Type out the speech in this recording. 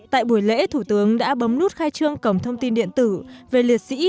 tại buổi lễ thủ tướng đã bấm nút khai trương cổng thông tin điện tử về liệt sĩ